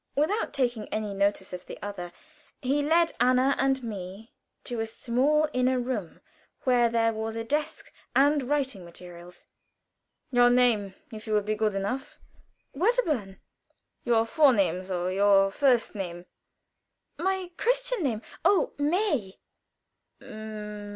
Without taking any notice of the other, he led Anna and me to a small inner room, where there was a desk and writing materials. "Your name, if you will be good enough?" "Wedderburn." "Your Vorname, though your first name." "My Christian name oh, May."